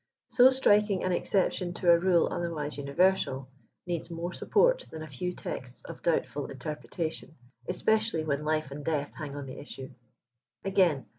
So striking an exception to a rule other wise universal, needs more support than a few texts of doubtful interpretation, especially when life and death hang on the issue. Again.